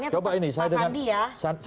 jadi harapannya tetap bang sandi ya